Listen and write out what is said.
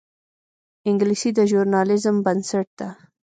انګلیسي د ژورنالیزم بنسټ ده